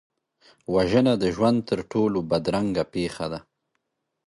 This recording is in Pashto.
وژنه د ژوند تر ټولو بدرنګه پېښه ده